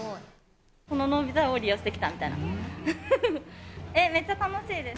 このノービザを利用して来たみたいな。